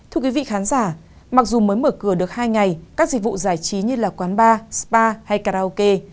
thưa quý vị khán giả mặc dù mới mở cửa được hai ngày các dịch vụ giải trí như quán bar spa hay karaoke